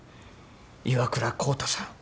岩倉浩太さん